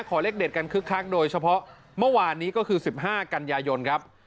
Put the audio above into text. เลขเด็ดกันคึกคักโดยเฉพาะเมื่อวานนี้ก็คือ๑๕กันยายนครับ